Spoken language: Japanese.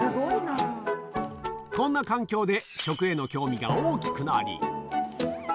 こんな環境で食への興味が大きくなり。